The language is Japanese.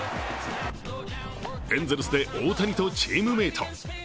エンゼルスで大谷とチームメート。